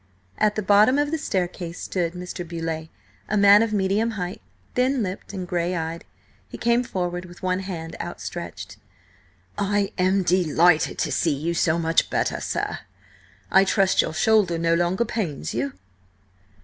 At the bottom of the staircase stood Mr. Beauleigh, a man of medium height, thin lipped and grey eyed. He came forward with one hand outstretched. "I am delighted to see you so much better, sir. I trust your shoulder no longer pains you?"